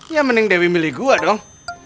ya mending dewi milih gue dong